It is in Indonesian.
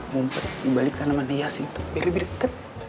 mumpet dibalik sama dia sih untuk lebih deket